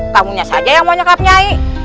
kamunya saja yang mau nyekap nyai